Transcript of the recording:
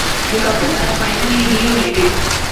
The couple are finally reunited.